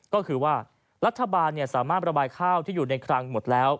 ก็คือว่ารัฐบาลสามารถระบายข้าวที่อยู่ในคลังหมดแล้ว